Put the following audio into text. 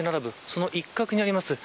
その一角にあります。